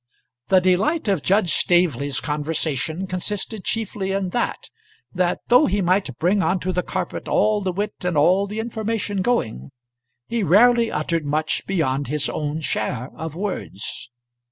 The delight of Judge Staveley's conversation consisted chiefly in that that though he might bring on to the carpet all the wit and all the information going, he rarely uttered much beyond his own share of words.